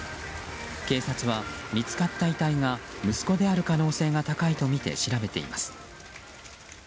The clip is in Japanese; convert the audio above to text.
警察は見つかった遺体が息子である可能性が高いとみて調べています。